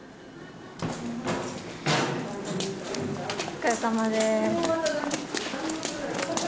お疲れさまでーす。